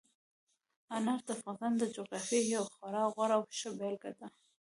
انار د افغانستان د جغرافیې یوه خورا غوره او ښه بېلګه ده.